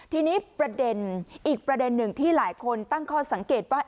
ทีนี้ประเด็นอีกประเด็นหนึ่งที่หลายคนตั้งข้อสังเกตว่า